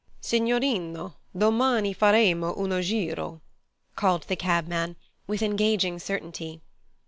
"Signorino, domani faremo uno giro," called the cabman, with engaging certainty.